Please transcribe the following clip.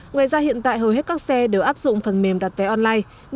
ngoài ra hiện tại hầu hết các xe đều áp dụng phần mềm đặt vé online